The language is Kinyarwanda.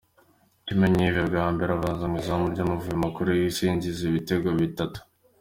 Kimenyi Yves bwa mbere abanza mu izamu ry’Amavubi makuru yahise yinjizwa ibitego bitatu